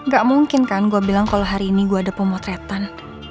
gak mungkin kan gue bilang kalau hari ini gue ada pemotretan